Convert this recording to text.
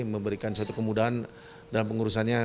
memberikan suatu kemudahan dalam pengurusannya